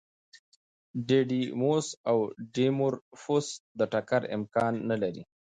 ډیډیموس او ډیمورفوس د ټکر امکان نه لري.